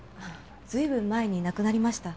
随分前に亡くなりました。